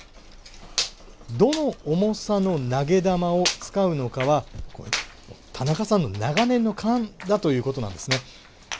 どの重さの投げ玉を使うのかは田中さんの長年の勘だということなんですね。